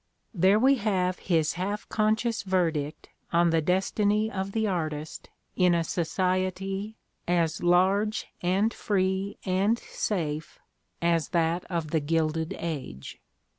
There we have his half conscious verdict on the destiny of the artist in a society as "lar^e and free and safe '' as that of the Gilded Age.